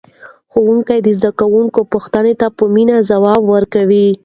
ښوونکی د زده کوونکو پوښتنو ته په مینه ځواب ورکوي